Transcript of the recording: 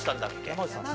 山内さん。